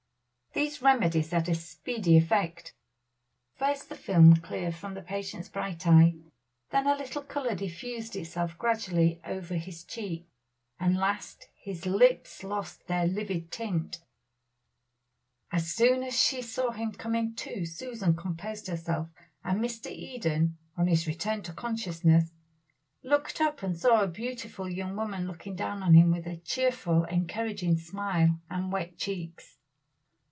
These remedies had a speedy effect. First the film cleared from the patient's bright eye, then a little color diffused itself gradually over his cheek, and last his lips lost their livid tint. As soon as she saw him coming to, Susan composed herself; and Mr. Eden, on his return to consciousness, looked up and saw a beautiful young woman looking down on him with a cheerful, encouraging smile and wet cheeks.